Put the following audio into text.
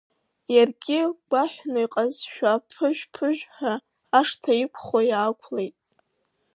Иаргьы гәаҳәны иҟазшәа аԥыжә-ԥыжәҳәа ашҭа иқәхо иаақәлеит.